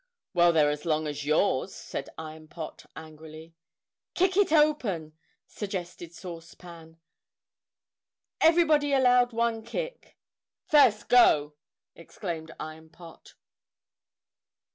"Well, they're as long as yours," said Iron Pot angrily. "Kick it open!" sug gest ed Sauce Pan. "Everybody allowed one kick!" "First go!" exclaimed Iron Pot.